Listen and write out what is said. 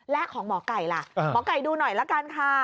และของหมอไก่ล่ะหมอไก่ดูหน่อยละกันค่ะ